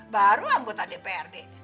baru anggota dprd